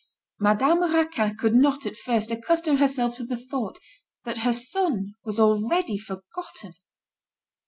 Madame Raquin could not, at first, accustom herself to the thought that her son was already forgotten.